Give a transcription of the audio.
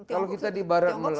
kalau kita di barat melambang lagi